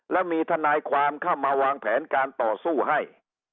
แล้วมีทนายความเข้ามาวางแผนการต่อสู้ให้